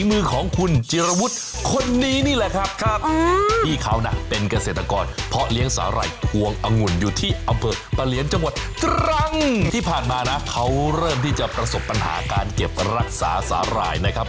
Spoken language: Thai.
มือของคุณจิรวุฒิคนนี้นี่แหละครับครับพี่เขานะเป็นเกษตรกรเพาะเลี้ยงสาหร่ายพวงองุ่นอยู่ที่อำเภอปะเหลียนจังหวัดตรังที่ผ่านมานะเขาเริ่มที่จะประสบปัญหาการเก็บรักษาสาหร่ายนะครับ